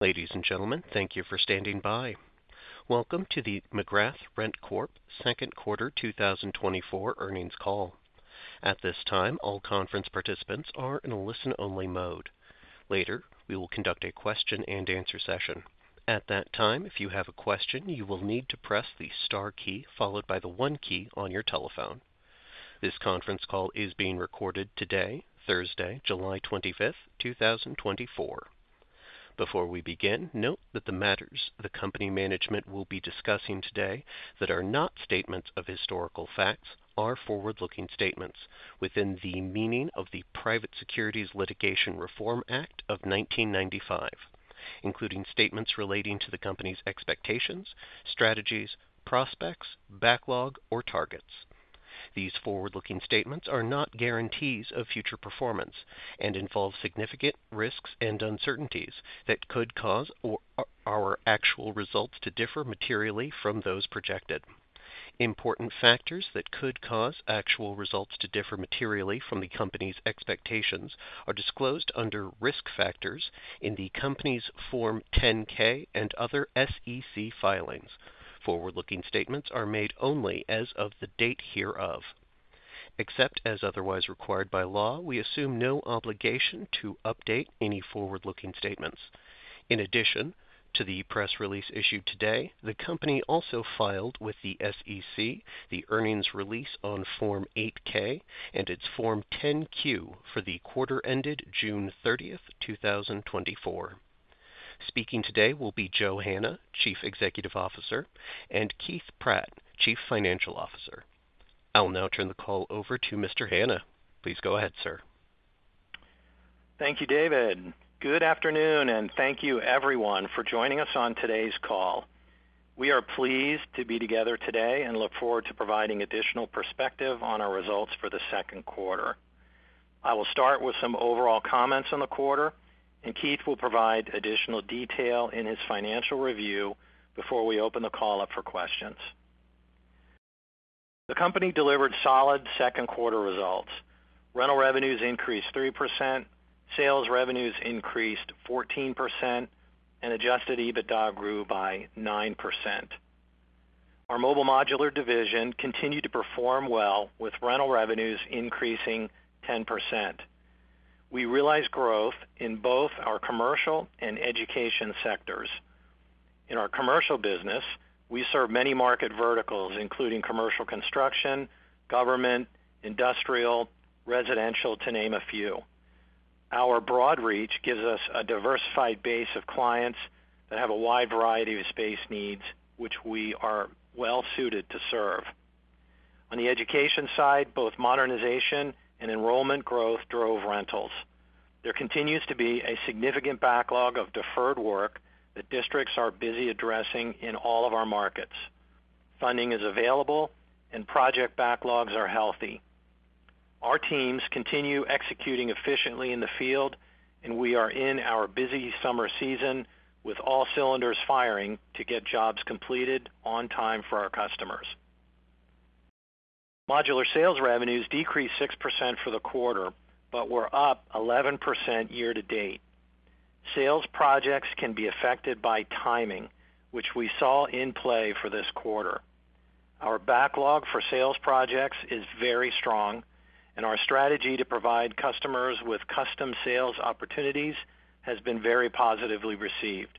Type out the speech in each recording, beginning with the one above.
Ladies and gentlemen, thank you for standing by. Welcome to the McGrath RentCorp Q2 2024 earnings call. At this time, all conference participants are in listen-only mode. Later, we will conduct a question-and-answer session. At that time, if you have a question, you will need to press the star key followed by the one key on your telephone. This conference call is being recorded today, Thursday, July 25th, 2024. Before we begin, note that the matters the company management will be discussing today that are not statements of historical facts are forward-looking statements within the meaning of the Private Securities Litigation Reform Act of 1995, including statements relating to the company's expectations, strategies, prospects, backlog, or targets. These forward-looking statements are not guarantees of future performance and involve significant risks and uncertainties that could cause our actual results to differ materially from those projected. Important factors that could cause actual results to differ materially from the company's expectations are disclosed under risk factors in the company's Form 10-K and other SEC filings. Forward-looking statements are made only as of the date hereof. Except as otherwise required by law, we assume no obligation to update any forward-looking statements. In addition to the press release issued today, the company also filed with the SEC the earnings release on Form 8-K and its Form 10-Q for the quarter ended June 30th, 2024. Speaking today will be Joseph Hanna, Chief Executive Officer, and Keith Pratt, Chief Financial Officer. I'll now turn the call over to Mr. Hanna. Please go ahead, sir. Thank you, David. Good afternoon, and thank you, everyone, for joining us on today's call. We are pleased to be together today and look forward to providing additional perspective on our results for the second quarter. I will start with some overall comments on the quarter, and Keith will provide additional detail in his financial review before we open the call up for questions. The company delivered solid second quarter results. Rental revenues increased 3%, sales revenues increased 14%, and Adjusted EBITDA grew by 9%. Our Mobile Modular division continued to perform well, with rental revenues increasing 10%. We realized growth in both our commercial and education sectors. In our commercial business, we serve many market verticals, including commercial construction, government, industrial, residential, to name a few. Our broad reach gives us a diversified base of clients that have a wide variety of space needs, which we are well suited to serve. On the education side, both modernization and enrollment growth drove rentals. There continues to be a significant backlog of deferred work that districts are busy addressing in all of our markets. Funding is available, and project backlogs are healthy. Our teams continue executing efficiently in the field, and we are in our busy summer season with all cylinders firing to get jobs completed on time for our customers. Modular sales revenues decreased 6% for the quarter, but were up 11% year to date. Sales projects can be affected by timing, which we saw in play for this quarter. Our backlog for sales projects is very strong, and our strategy to provide customers with custom sales opportunities has been very positively received.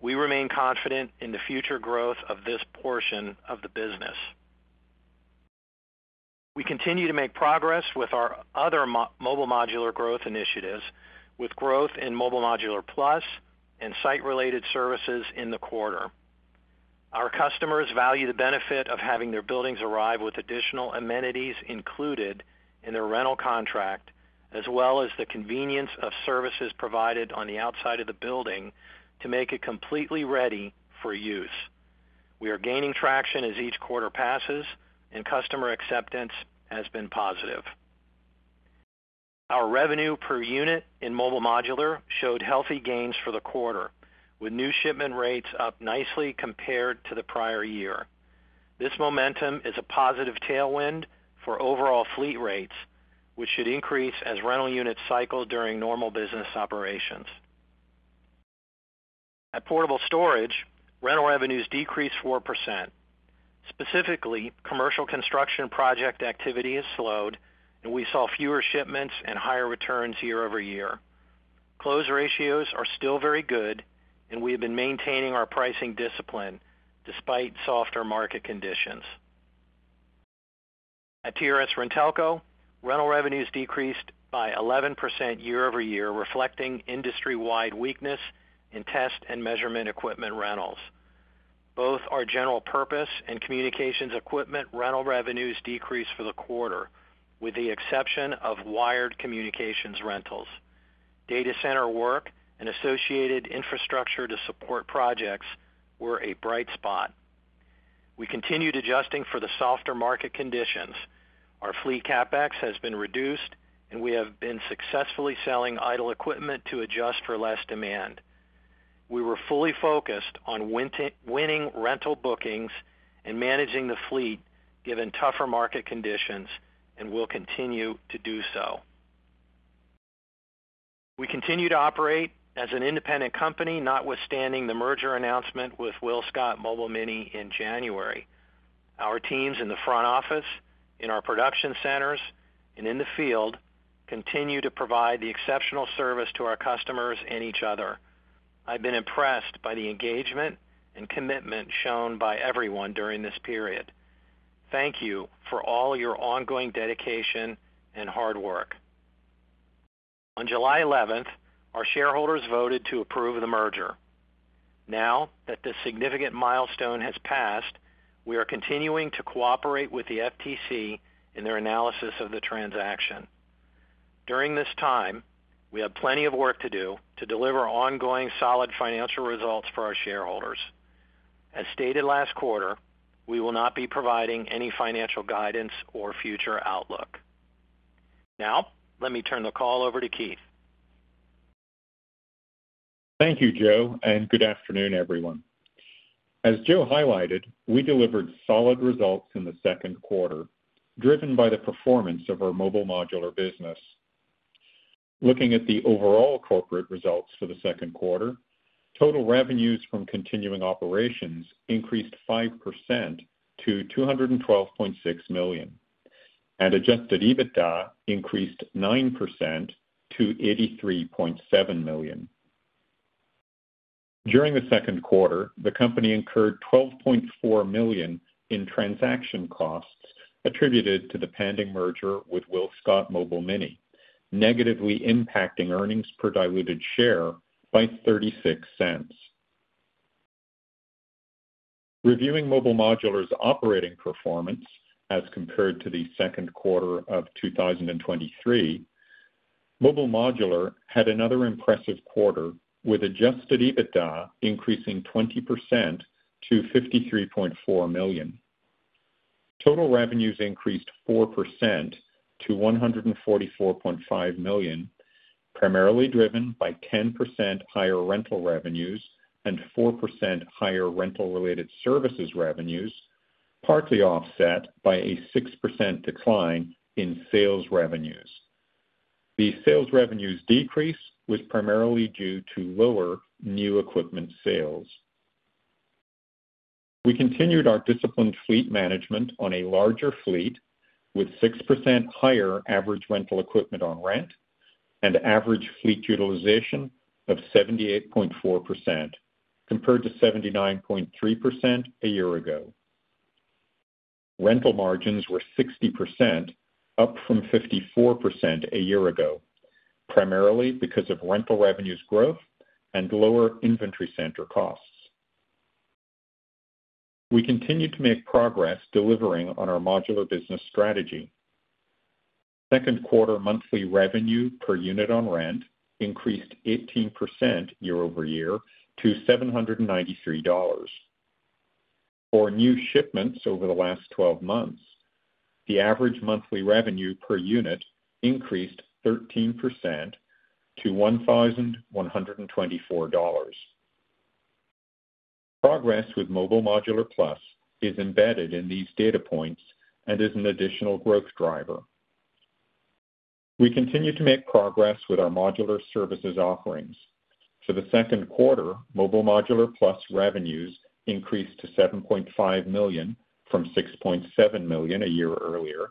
We remain confident in the future growth of this portion of the business. We continue to make progress with our other Mobile Modular growth initiatives, with growth in Mobile Modular Plus and site-related services in the quarter. Our customers value the benefit of having their buildings arrive with additional amenities included in their rental contract, as well as the convenience of services provided on the outside of the building to make it completely ready for use. We are gaining traction as each quarter passes, and customer acceptance has been positive. Our revenue per unit in Mobile Modular showed healthy gains for the quarter, with new shipment rates up nicely compared to the prior year. This momentum is a positive tailwind for overall fleet rates, which should increase as rental units cycle during normal business operations. At Portable Storage, rental revenues decreased 4%. Specifically, commercial construction project activity has slowed, and we saw fewer shipments and higher returns year-over-year. Close ratios are still very good, and we have been maintaining our pricing discipline despite softer market conditions. At TRS-RenTelco, rental revenues decreased by 11% year-over-year, reflecting industry-wide weakness in test and measurement equipment rentals. Both our general purpose and communications equipment rental revenues decreased for the quarter, with the exception of wired communications rentals. Data center work and associated infrastructure to support projects were a bright spot. We continued adjusting for the softer market conditions. Our fleet CapEx has been reduced, and we have been successfully selling idle equipment to adjust for less demand. We were fully focused on winning rental bookings and managing the fleet given tougher market conditions and will continue to do so. We continue to operate as an independent company, notwithstanding the merger announcement with WillScot Mobile Mini in January. Our teams in the front office, in our production centers, and in the field continue to provide the exceptional service to our customers and each other. I've been impressed by the engagement and commitment shown by everyone during this period. Thank you for all your ongoing dedication and hard work. On July 11th, our shareholders voted to approve the merger. Now that this significant milestone has passed, we are continuing to cooperate with the FTC in their analysis of the transaction. During this time, we have plenty of work to do to deliver ongoing solid financial results for our shareholders. As stated last quarter, we will not be providing any financial guidance or future outlook. Now, let me turn the call over to Keith. Thank you, Joe, and good afternoon, everyone. As Joe highlighted, we delivered solid results in the second quarter, driven by the performance of our Mobile Modular business. Looking at the overall corporate results for the Q2, total revenues from continuing operations increased 5% to $212.6 million, and Adjusted EBITDA increased 9% to $83.7 million. During the second quarter, the company incurred $12.4 million in transaction costs attributed to the pending merger with WillScot Mobile Mini, negatively impacting earnings per diluted share by $0.36. Reviewing Mobile Modular's operating performance as compared to the Q2 of 2023, Mobile Modular had another impressive quarter with Adjusted EBITDA increasing 20% to $53.4 million. Total revenues increased 4% to $144.5 million, primarily driven by 10% higher rental revenues and 4% higher rental-related services revenues, partly offset by a 6% decline in sales revenues. The sales revenues decrease was primarily due to lower new equipment sales. We continued our disciplined fleet management on a larger fleet with 6% higher average rental equipment on rent and average fleet utilization of 78.4%, compared to 79.3% a year ago. Rental margins were 60%, up from 54% a year ago, primarily because of rental revenues growth and lower inventory center costs. We continued to make progress delivering on our modular business strategy. Second quarter monthly revenue per unit on rent increased 18% year-over-year to $793. For new shipments over the last 12 months, the average monthly revenue per unit increased 13% to $1,124. Progress with Mobile Modular Plus is embedded in these data points and is an additional growth driver. We continue to make progress with our modular services offerings. For the second quarter, Mobile Modular Plus revenues increased to $7.5 million from $6.7 million a year earlier,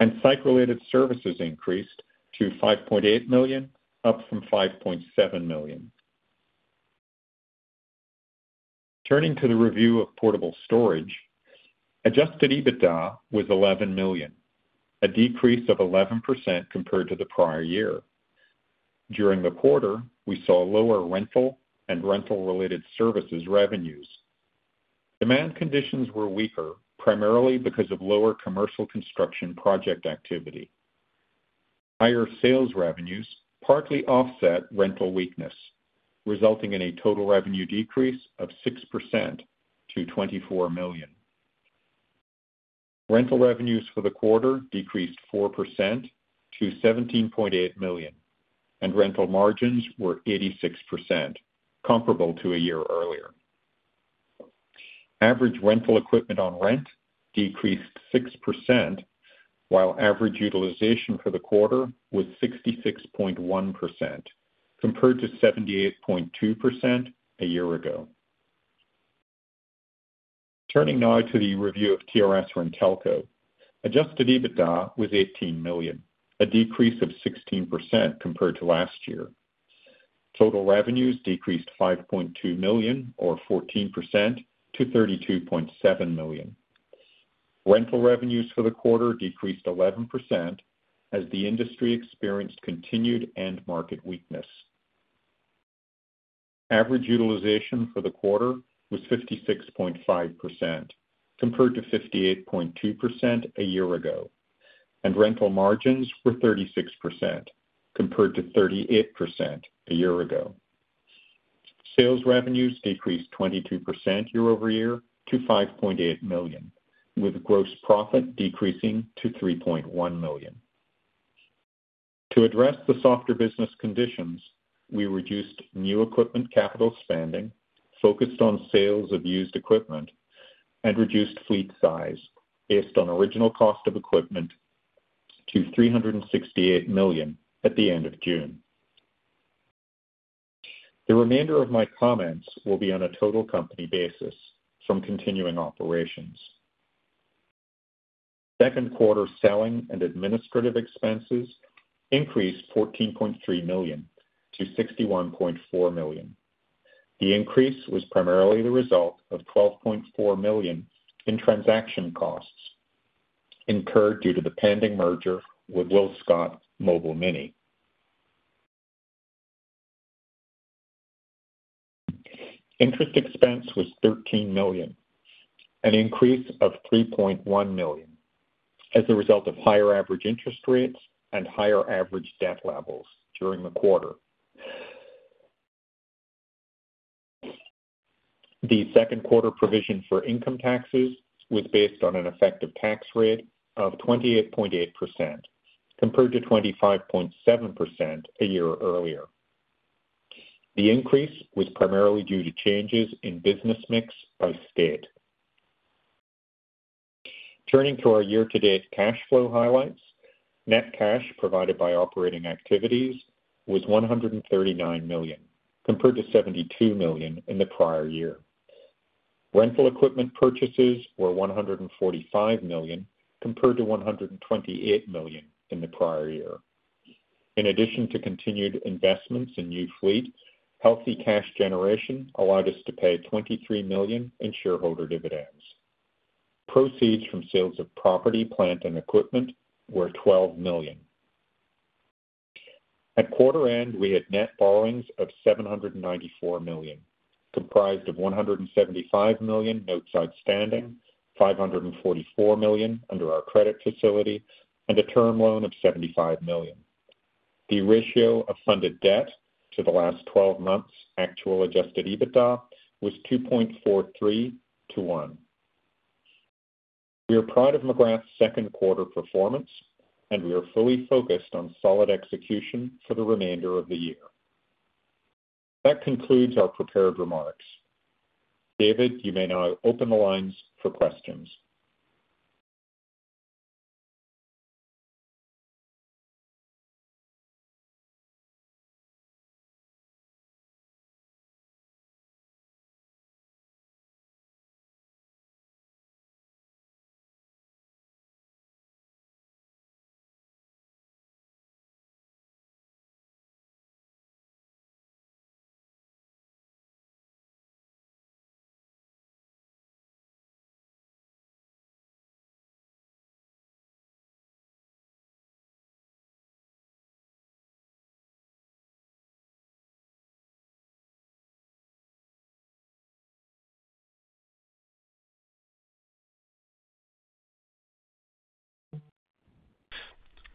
and site-related services increased to $5.8 million, up from $5.7 million. Turning to the review of Portable Storage, Adjusted EBITDA was $11 million, a decrease of 11% compared to the prior year. During the quarter, we saw lower rental and rental-related services revenues. Demand conditions were weaker, primarily because of lower commercial construction project activity. Higher sales revenues partly offset rental weakness, resulting in a total revenue decrease of 6% to $24 million. Rental revenues for the quarter decreased 4% to $17.8 million, and rental margins were 86%, comparable to a year earlier. Average rental equipment on rent decreased 6%, while average utilization for the quarter was 66.1%, compared to 78.2% a year ago. Turning now to the review of TRS-RenTelco. Keith Pratt, Adjusted EBITDA was $18 million, a decrease of 16% compared to last year. Total revenues decreased $5.2 million, or 14%, to $32.7 million. Rental revenues for the quarter decreased 11% as the industry experienced continued end-market weakness. Average utilization for the quarter was 56.5%, compared to 58.2% a year ago, and rental margins were 36%, compared to 38% a year ago. Sales revenues decreased 22% year-over-year to $5.8 million, with gross profit decreasing to $3.1 million. To address the softer business conditions, we reduced new equipment capital spending, focused on sales of used equipment, and reduced fleet size based on original cost of equipment to $368 million at the end of June. The remainder of my comments will be on a total company basis from continuing operations. Second quarter selling and administrative expenses increased $14.3 million to $61.4 million. The increase was primarily the result of $12.4 million in transaction costs incurred due to the pending merger with WillScot Mobile Mini. Interest expense was $13 million, an increase of $3.1 million as a result of higher average interest rates and higher average debt levels during the quarter. The Q2 provision for income taxes was based on an effective tax rate of 28.8%, compared to 25.7% a year earlier. The increase was primarily due to changes in business mix by state. Turning to our year-to-date cash flow highlights, net cash provided by operating activities was $139 million, compared to $72 million in the prior year. Rental equipment purchases were $145 million, compared to $128 million in the prior year. In addition to continued investments in new fleet, healthy cash generation allowed us to pay $23 million in shareholder dividends. Proceeds from sales of property, plant, and equipment were $12 million. At quarter end, we had net borrowings of $794 million, comprised of $175 million notes outstanding, $544 million under our credit facility, and a term loan of $75 million. The ratio of funded debt to the last 12 months' actual Adjusted EBITDA was 2.43 to 1. We are proud of McGrath's second quarter performance, and we are fully focused on solid execution for the remainder of the year. That concludes our prepared remarks. David, you may now open the lines for questions.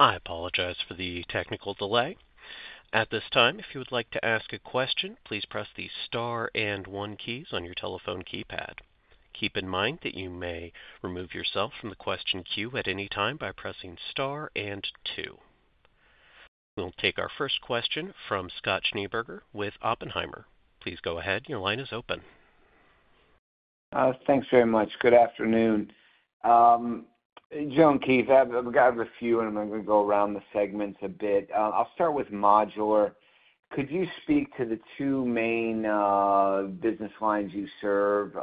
I apologize for the technical delay. At this time, if you would like to ask a question, please press the star and one keys on your telephone keypad. Keep in mind that you may remove yourself from the question queue at any time by pressing star and two. We'll take our first question from Scott Schneeberger with Oppenheimer. Please go ahead. Your line is open. Thanks very much. Good afternoon. Joe and Keith, I've got a few, and I'm going to go around the segments a bit. I'll start with modular. Could you speak to the two main business lines you serve,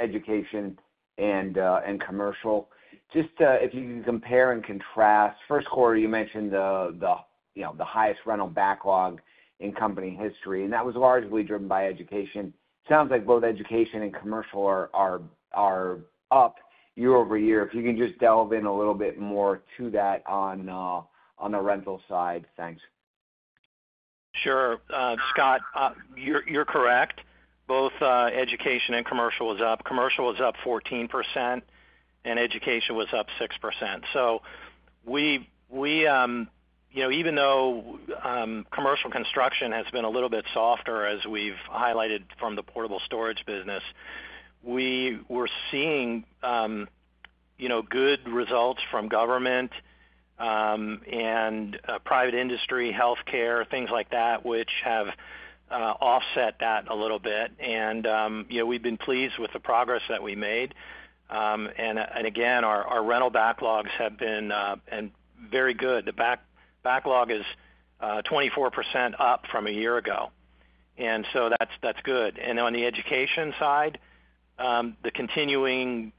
education and commercial? Just if you can compare and contrast, Q1, you mentioned the highest rental backlog in company history, and that was largely driven by education. Sounds like both education and commercial are up year-over-year. If you can just delve in a little bit more to that on the rental side, thanks. Sure. Scott, you're correct. Both education and commercial was up. Commercial was up 14%, and education was up 6%. So even though commercial construction has been a little bit softer, as we've highlighted from the portable storage business, we were seeing good results from government and private industry, healthcare, things like that, which have offset that a little bit. And we've been pleased with the progress that we made. And again, our rental backlogs have been very good. The backlog is 24% up from a year ago. And so that's good. And on the education side, the continuing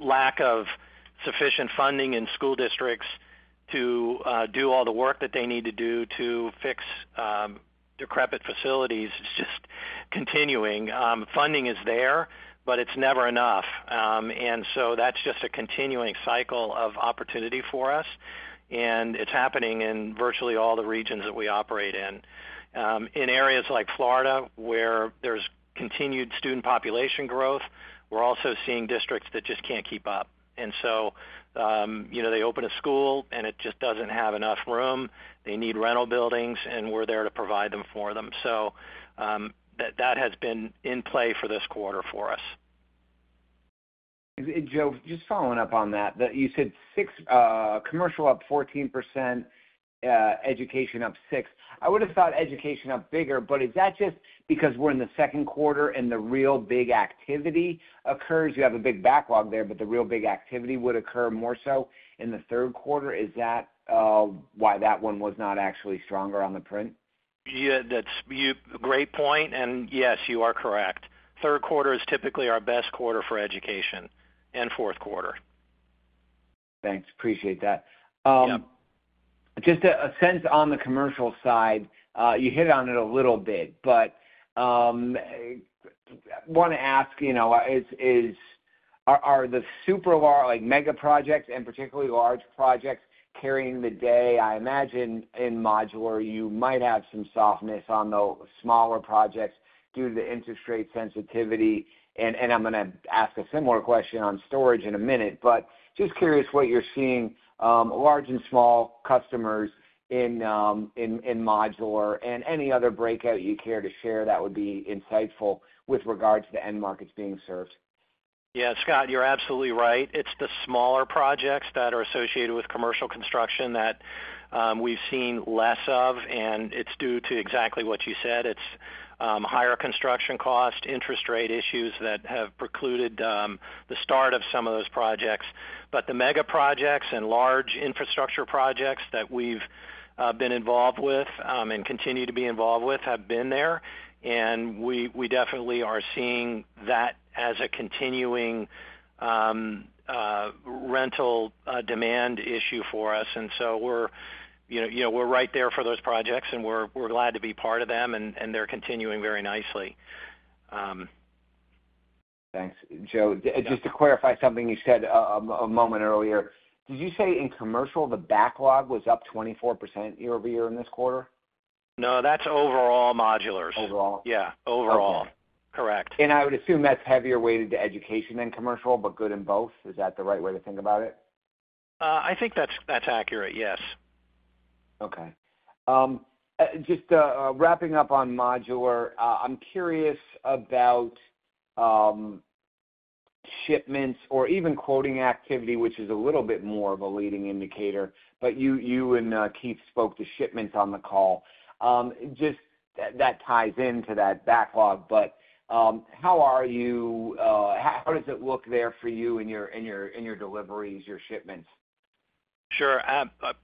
lack of sufficient funding in school districts to do all the work that they need to do to fix decrepit facilities is just continuing. Funding is there, but it's never enough. And so that's just a continuing cycle of opportunity for us. And it's happening in virtually all the regions that we operate in. In areas like Florida, where there's continued student population growth, we're also seeing districts that just can't keep up. And so they open a school, and it just doesn't have enough room. They need rental buildings, and we're there to provide them for them. So that has been in play for this quarter for us. Joe, just following up on that, you said commercial up 14%, education up 6%. I would have thought education up bigger, but is that just because we're in the Q2 and the real big activity occurs? You have a big backlog there, but the real big activity would occur more so in the third quarter. Is that why that one was not actually stronger on the print? Yeah, that's a great point. Yes, you are correct. Q3 is typically our best quarter for education and fourth quarter. Thanks. Appreciate that. Just a sense on the commercial side, you hit on it a little bit, but I want to ask, are the super large, like mega projects and particularly large projects carrying the day? I imagine in modular, you might have some softness on the smaller projects due to the interest rate sensitivity. And I'm going to ask a similar question on storage in a minute, but just curious what you're seeing large and small customers in modular. And any other breakout you care to share that would be insightful with regards to the end markets being served? Yeah, Scott, you're absolutely right. It's the smaller projects that are associated with commercial construction that we've seen less of, and it's due to exactly what you said. It's higher construction cost, interest rate issues that have precluded the start of some of those projects. But the mega projects and large infrastructure projects that we've been involved with and continue to be involved with have been there. And we definitely are seeing that as a continuing rental demand issue for us. And so we're right there for those projects, and we're glad to be part of them, and they're continuing very nicely. Thanks. Joe, just to clarify something you said a moment earlier, did you say in commercial the backlog was up 24% year over year in this quarter? No, that's overall modulars. Overall? Yeah, overall. Correct. I would assume that's heavily weighted to education than commercial, but good in both. Is that the right way to think about it? I think that's accurate, yes. Okay. Just wrapping up on modular, I'm curious about shipments or even quoting activity, which is a little bit more of a leading indicator, but you and Keith spoke to shipments on the call. Just that ties into that backlog, but how are you? How does it look there for you in your deliveries, your shipments? Sure.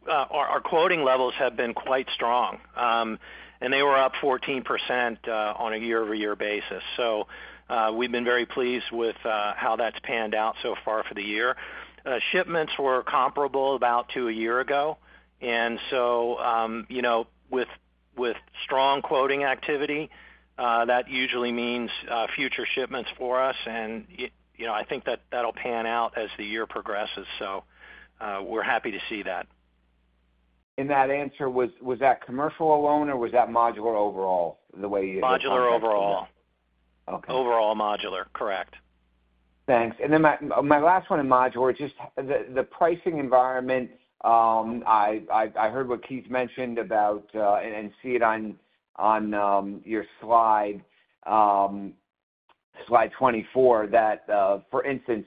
Our quoting levels have been quite strong, and they were up 14% on a year-over-year basis. So we've been very pleased with how that's panned out so far for the year. Shipments were comparable about to a year ago. And so with strong quoting activity, that usually means future shipments for us. And I think that that'll pan out as the year progresses. So we're happy to see that. That answer, was that commercial alone, or was that modular overall the way you described it? Modular overall. Overall modular, correct. Thanks. And then my last one in modular, just the pricing environment. I heard what Keith mentioned about, and see it on your slide, slide 24, that, for instance,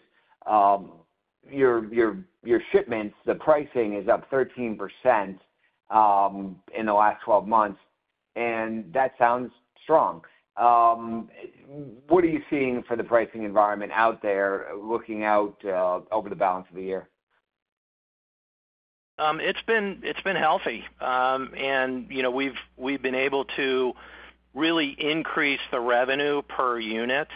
your shipments, the pricing is up 13% in the last 12 months. And that sounds strong. What are you seeing for the pricing environment out there, looking out over the balance of the year? It's been healthy. We've been able to really increase the revenue per unit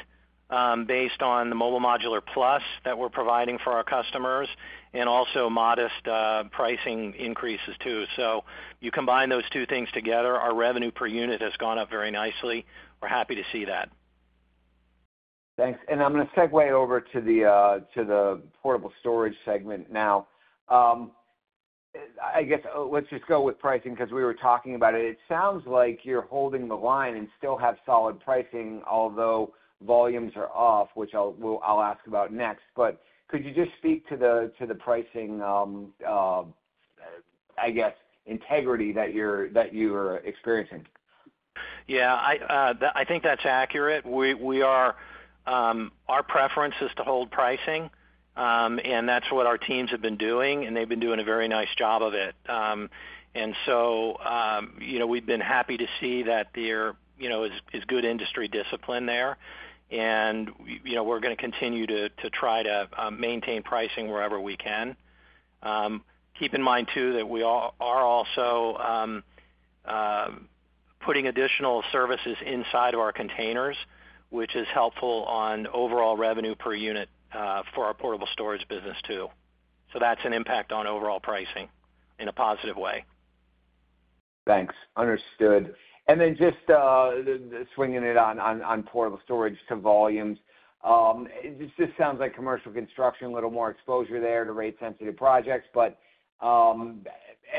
based on the Mobile Modular Plus that we're providing for our customers and also modest pricing increases too. You combine those two things together, our revenue per unit has gone up very nicely. We're happy to see that. Thanks. I'm going to segue over to the Portable Storage segment now. I guess let's just go with pricing because we were talking about it. It sounds like you're holding the line and still have solid pricing, although volumes are off, which I'll ask about next. Could you just speak to the pricing, I guess, integrity that you're experiencing? Yeah, I think that's accurate. Our preference is to hold pricing, and that's what our teams have been doing, and they've been doing a very nice job of it. And so we've been happy to see that there is good industry discipline there. And we're going to continue to try to maintain pricing wherever we can. Keep in mind too that we are also putting additional services inside of our containers, which is helpful on overall revenue per unit for our portable storage business too. So that's an impact on overall pricing in a positive way. Thanks. Understood. And then just swinging it on portable storage to volumes. It just sounds like commercial construction, a little more exposure there to rate-sensitive projects. But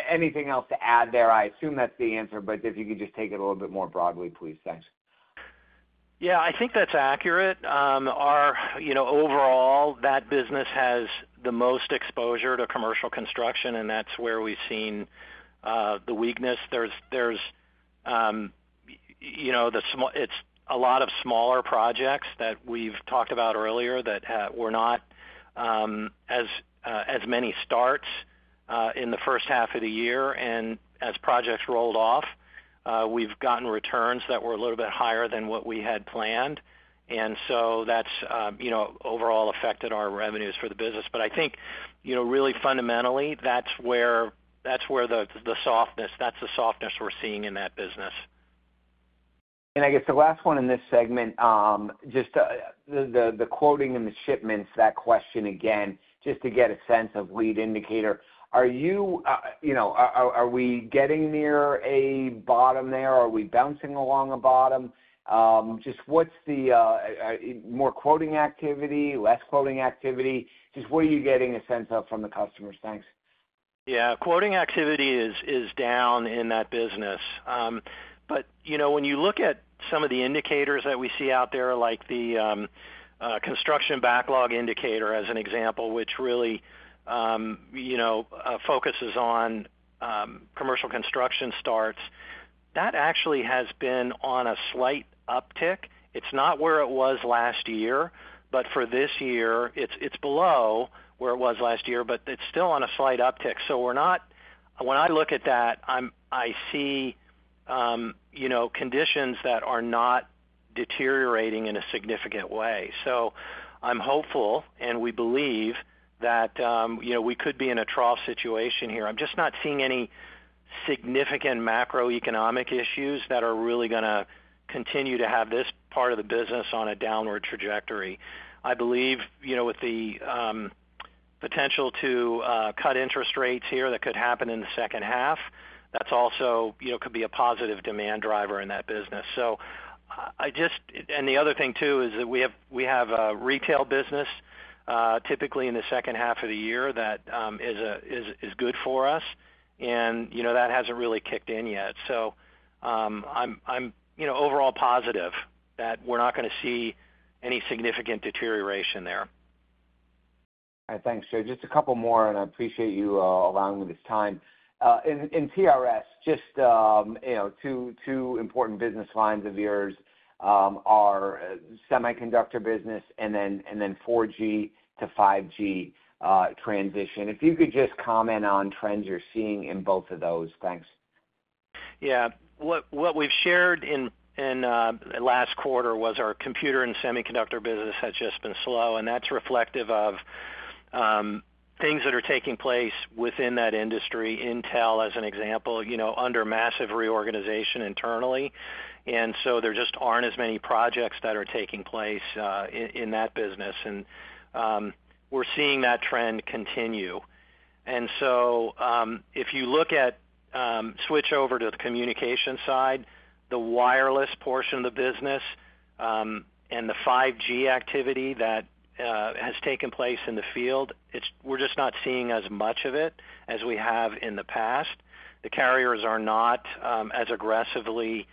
anything else to add there? I assume that's the answer, but if you could just take it a little bit more broadly, please. Thanks. Yeah, I think that's accurate. Overall, that business has the most exposure to commercial construction, and that's where we've seen the weakness. There's a lot of smaller projects that we've talked about earlier that were not as many starts in the first half of the year. And as projects rolled off, we've gotten returns that were a little bit higher than what we had planned. And so that's overall affected our revenues for the business. But I think really fundamentally, that's where the softness, that's the softness we're seeing in that business. I guess the last one in this segment, just the quoting and the shipments, that question again, just to get a sense of lead indicator. Are we getting near a bottom there? Are we bouncing along a bottom? Just what's the more quoting activity, less quoting activity? Just what are you getting a sense of from the customers? Thanks. Yeah, quoting activity is down in that business. But when you look at some of the indicators that we see out there, like the Construction Backlog Indicator as an example, which really focuses on commercial construction starts, that actually has been on a slight uptick. It's not where it was last year, but for this year, it's below where it was last year, but it's still on a slight uptick. So when I look at that, I see conditions that are not deteriorating in a significant way. So I'm hopeful, and we believe that we could be in a trough situation here. I'm just not seeing any significant macroeconomic issues that are really going to continue to have this part of the business on a downward trajectory. I believe with the potential to cut interest rates here that could happen in the second half, that also could be a positive demand driver in that business. And the other thing too is that we have a retail business typically in the second half of the year that is good for us, and that hasn't really kicked in yet. So I'm overall positive that we're not going to see any significant deterioration there. Thanks, Joe. Just a couple more, and I appreciate you allowing me this time. In TRS, just two important business lines of yours are semiconductor business and then 4G to 5G transition. If you could just comment on trends you're seeing in both of those. Thanks. Yeah. What we've shared in the last quarter was our computer and semiconductor business has just been slow, and that's reflective of things that are taking place within that industry. Intel, as an example, under massive reorganization internally. So there just aren't as many projects that are taking place in that business. We're seeing that trend continue. So if you look at switch over to the communication side, the wireless portion of the business and the 5G activity that has taken place in the field, we're just not seeing as much of it as we have in the past. The carriers are not as aggressively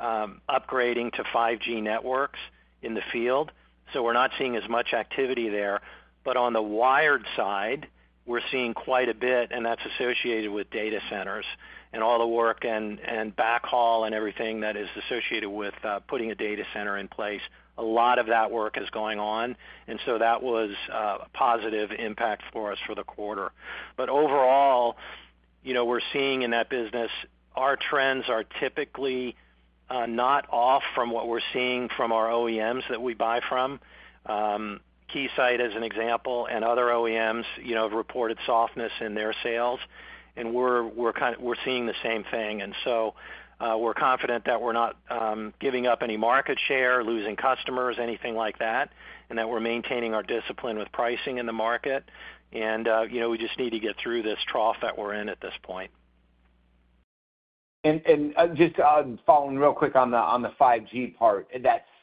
upgrading to 5G networks in the field. So we're not seeing as much activity there. But on the wired side, we're seeing quite a bit, and that's associated with data centers and all the work and backhaul and everything that is associated with putting a data center in place. A lot of that work is going on. And so that was a positive impact for us for the quarter. But overall, we're seeing in that business, our trends are typically not off from what we're seeing from our OEMs that we buy from. Keysight, as an example, and other OEMs have reported softness in their sales. And we're seeing the same thing. And so we're confident that we're not giving up any market share, losing customers, anything like that, and that we're maintaining our discipline with pricing in the market. And we just need to get through this trough that we're in at this point. Just following real quick on the 5G part, that slowdown,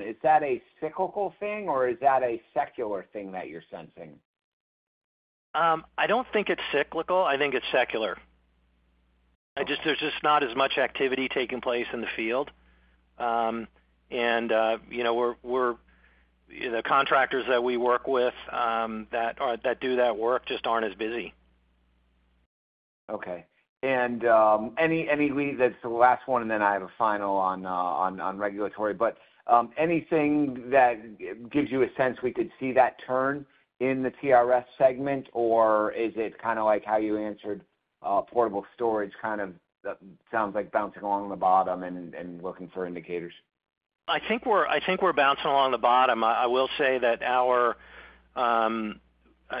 is that a cyclical thing or is that a secular thing that you're sensing? I don't think it's cyclical. I think it's secular. There's just not as much activity taking place in the field. The contractors that we work with that do that work just aren't as busy. Okay. And that's the last one, and then I have a final on regulatory. But anything that gives you a sense we could see that turn in the TRS segment, or is it kind of like how you answered portable storage kind of sounds like bouncing along the bottom and looking for indicators? I think we're bouncing along the bottom. I will say that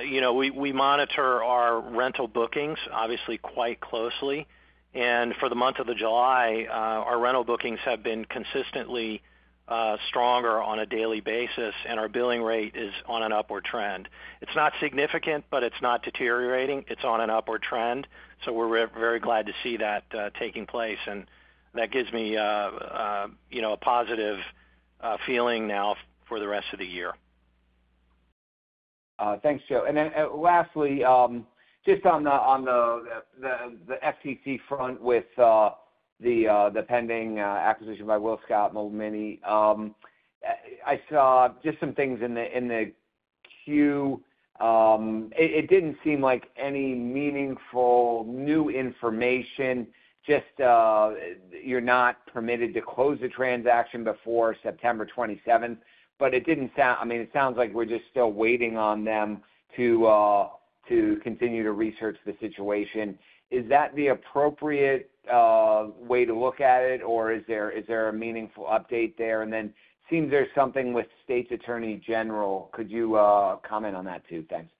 we monitor our rental bookings, obviously, quite closely. For the month of July, our rental bookings have been consistently stronger on a daily basis, and our billing rate is on an upward trend. It's not significant, but it's not deteriorating. It's on an upward trend. We're very glad to see that taking place. That gives me a positive feeling now for the rest of the year. Thanks, Joe. And then lastly, just on the FTC front with the pending acquisition by WillScot Mobile Mini, I saw just some things in the queue. It didn't seem like any meaningful new information. Just you're not permitted to close the transaction before September 27th. But it didn't sound, I mean, it sounds like we're just still waiting on them to continue to research the situation. Is that the appropriate way to look at it, or is there a meaningful update there? And then it seems there's something with state's Attorney General. Could you comment on that too? Thanks.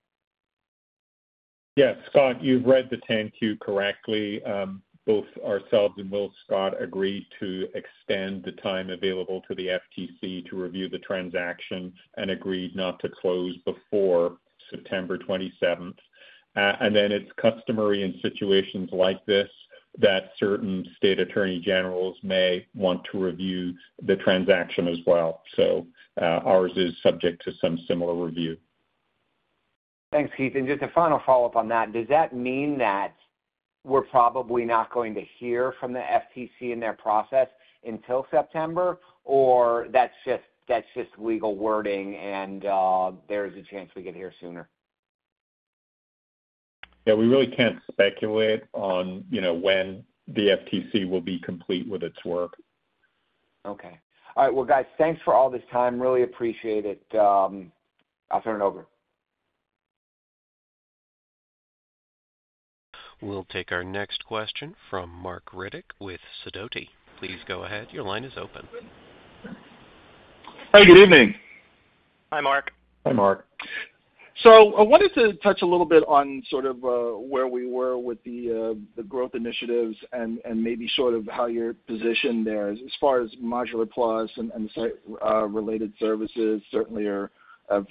Yes, Scott, you've read the tender correctly. Both ourselves and WillScot agreed to extend the time available to the FTC to review the transaction and agreed not to close before September 27th. Then it's customary in situations like this that certain state attorney generals may want to review the transaction as well. Ours is subject to some similar review. Thanks, Keith. Just a final follow-up on that. Does that mean that we're probably not going to hear from the FTC in their process until September, or that's just legal wording and there's a chance we could hear sooner? Yeah, we really can't speculate on when the FTC will be complete with its work. Okay. All right. Well, guys, thanks for all this time. Really appreciate it. I'll turn it over. We'll take our next question from Marc Riddick with Sidoti. Please go ahead. Your line is open. Hi, good evening. Hi, Mark. Hi, Mark. So I wanted to touch a little bit on sort of where we were with the growth initiatives and maybe sort of how your position there as far as Modular Plus and site-related services certainly have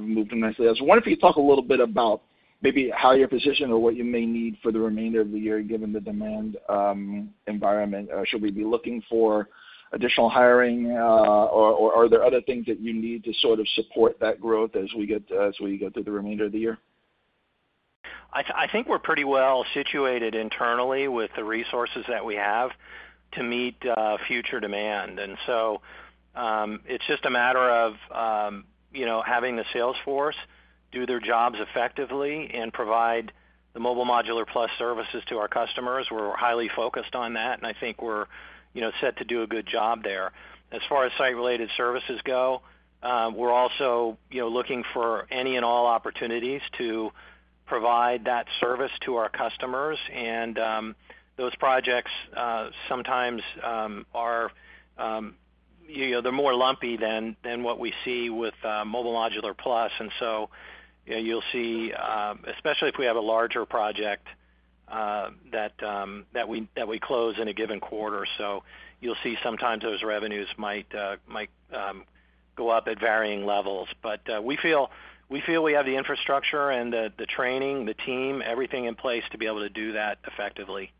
moved nicely. I was wondering if you'd talk a little bit about maybe how your position or what you may need for the remainder of the year given the demand environment. Should we be looking for additional hiring, or are there other things that you need to sort of support that growth as we go through the remainder of the year? I think we're pretty well situated internally with the resources that we have to meet future demand. And so it's just a matter of having the salesforce do their jobs effectively and provide the Mobile Modular Plus services to our customers. We're highly focused on that, and I think we're set to do a good job there. As far as site-related services go, we're also looking for any and all opportunities to provide that service to our customers. And those projects sometimes they're more lumpy than what we see with Mobile Modular Plus. And so you'll see, especially if we have a larger project that we close in a given quarter. So you'll see sometimes those revenues might go up at varying levels. But we feel we have the infrastructure and the training, the team, everything in place to be able to do that effectively.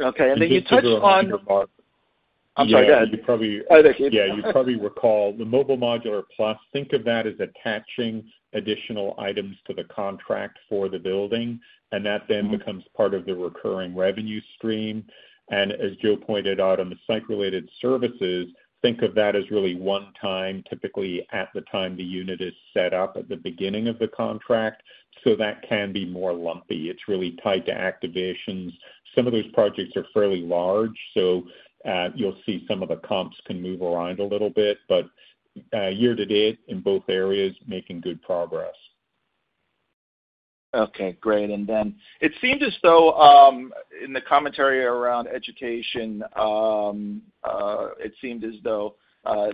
Okay. And then you touched on. I'm sorry. Yeah, you probably. Oh, thank you. Yeah, you probably recall the Mobile Modular Plus, think of that as attaching additional items to the contract for the building, and that then becomes part of the recurring revenue stream. As Joe pointed out on the site-related services, think of that as really one time, typically at the time the unit is set up at the beginning of the contract. So that can be more lumpy. It's really tied to activations. Some of those projects are fairly large, so you'll see some of the comps can move around a little bit. But year to date in both areas, making good progress. Okay. Great. And then it seemed as though in the commentary around education, it seemed as though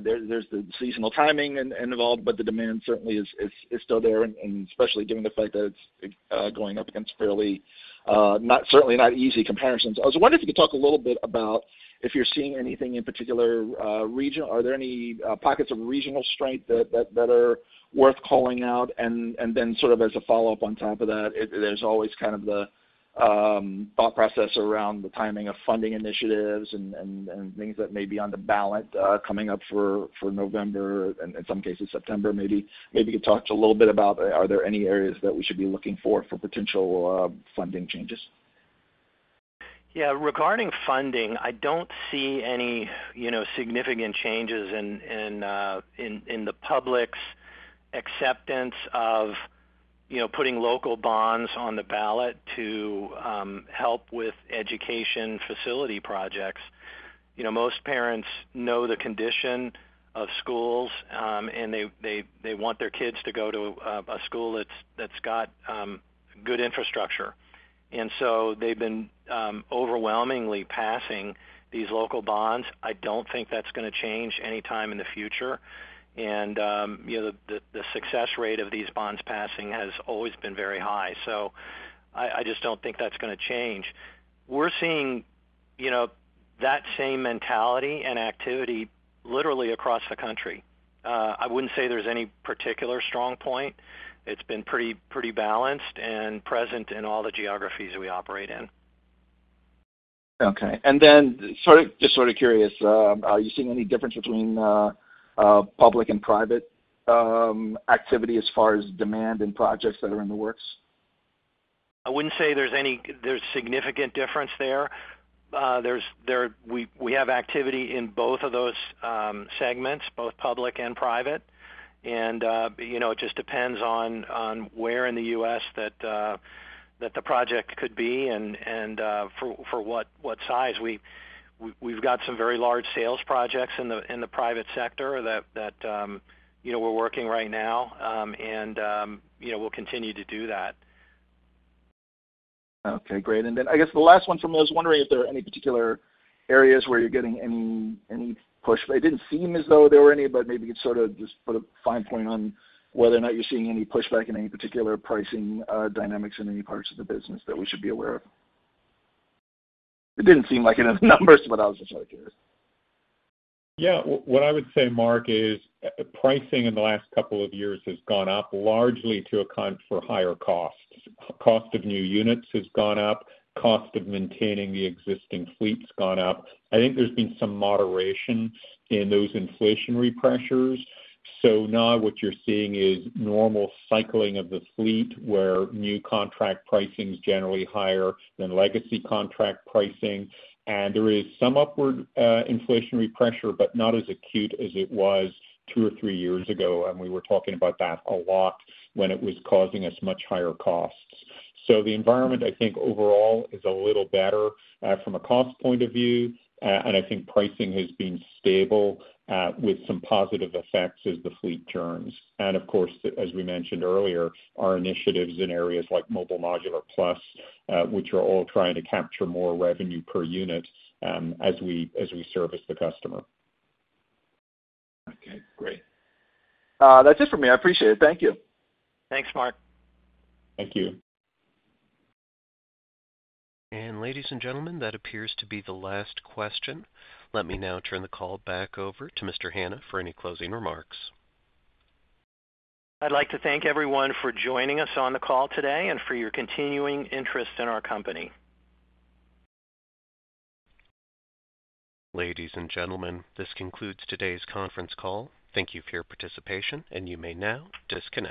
there's the seasonal timing involved, but the demand certainly is still there, and especially given the fact that it's going up against fairly certainly not easy comparisons. I was wondering if you could talk a little bit about if you're seeing anything in particular region. Are there any pockets of regional strength that are worth calling out? And then sort of as a follow-up on top of that, there's always kind of the thought process around the timing of funding initiatives and things that may be on the ballot coming up for November, in some cases September. Maybe you could talk a little bit about are there any areas that we should be looking for for potential funding changes? Yeah. Regarding funding, I don't see any significant changes in the public's acceptance of putting local bonds on the ballot to help with education facility projects. Most parents know the condition of schools, and they want their kids to go to a school that's got good infrastructure. And so they've been overwhelmingly passing these local bonds. I don't think that's going to change anytime in the future. And the success rate of these bonds passing has always been very high. So I just don't think that's going to change. We're seeing that same mentality and activity literally across the country. I wouldn't say there's any particular strong point. It's been pretty balanced and present in all the geographies we operate in. Okay. And then just sort of curious, are you seeing any difference between public and private activity as far as demand and projects that are in the works? I wouldn't say there's any significant difference there. We have activity in both of those segments, both public and private. It just depends on where in the U.S. that the project could be and for what size. We've got some very large sales projects in the private sector that we're working right now, and we'll continue to do that. Okay. Great. And then I guess the last one for me, I was wondering if there are any particular areas where you're getting any push? It didn't seem as though there were any, but maybe you could sort of just put a fine point on whether or not you're seeing any pushback in any particular pricing dynamics in any parts of the business that we should be aware of? It didn't seem like it in the numbers, but I was just sort of curious. Yeah. What I would say, Mark, is pricing in the last couple of years has gone up largely to account for higher costs. Cost of new units has gone up. Cost of maintaining the existing fleet's gone up. I think there's been some moderation in those inflationary pressures. So now what you're seeing is normal cycling of the fleet where new contract pricing is generally higher than legacy contract pricing. And there is some upward inflationary pressure, but not as acute as it was two or three years ago. And we were talking about that a lot when it was causing us much higher costs. So the environment, I think overall, is a little better from a cost point of view. And I think pricing has been stable with some positive effects as the fleet turns. Of course, as we mentioned earlier, our initiatives in areas like Mobile Modular Plus, which are all trying to capture more revenue per unit as we service the customer. Okay. Great. That's it for me. I appreciate it. Thank you. Thanks, Mark. Thank you. Ladies and gentlemen, that appears to be the last question. Let me now turn the call back over to Mr. Hanna for any closing remarks. I'd like to thank everyone for joining us on the call today and for your continuing interest in our company. Ladies and gentlemen, this concludes today's conference call. Thank you for your participation, and you may now disconnect.